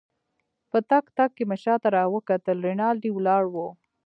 په تګ تګ کې مې شاته راوکتل، رینالډي ولاړ وو.